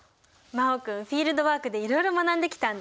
真旺君フィールドワークでいろいろ学んできたんだね。